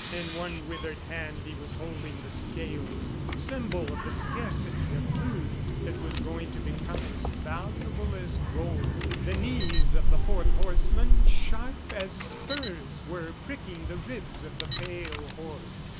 In one withered hand he was holding the scales, symbol of the scarcity of food that was going to become as valuable as gold. The knees of the fourth horseman, sharp as spurs, were pricking the ribs of the pale horse.